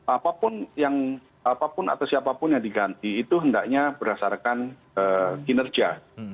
apapun yang apapun atau siapapun yang diganti itu hendaknya berdasarkan ee kinerja